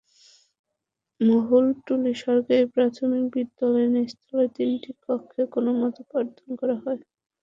মাহুতটুলী সরকারি প্রাথমিক বিদ্যালয়ের নিচতলার তিনটি কক্ষে কোনোমতে পাঠদান করা হয়।